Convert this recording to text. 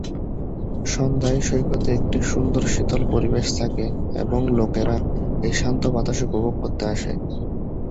সন্ধ্যায় সৈকতে একটি সুন্দর শীতল পরিবেশ থাকে এবং লোকেরা এই শান্ত বাতাস উপভোগ করতে আসে।